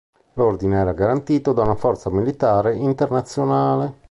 L'ordine era garantito da una forza militare internazionale.